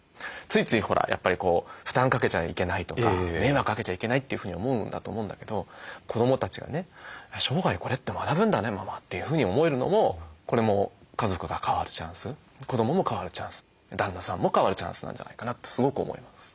ついついほらやっぱり負担かけちゃいけないとか迷惑かけちゃいけないというふうに思うんだと思うんだけど子どもたちがね「生涯これって学ぶんだねママ」というふうに思えるのもこれも家族が変わるチャンス子どもも変わるチャンス旦那さんも変わるチャンスなんじゃないかなとすごく思います。